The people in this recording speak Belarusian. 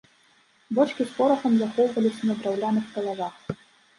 Бочкі з порахам захоўваліся на драўляных стэлажах.